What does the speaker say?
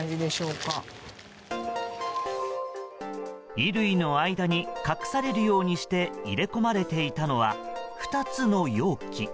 衣類の間に隠されるようにして入れ込まれていたのは２つの容器。